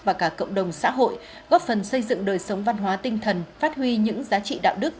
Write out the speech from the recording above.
và cả cộng đồng xã hội góp phần xây dựng đời sống văn hóa tinh thần phát huy những giá trị đạo đức